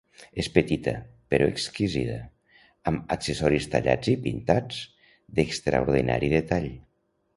És petita, però exquisida, amb accessoris tallats i pintats, d'extraordinari detall.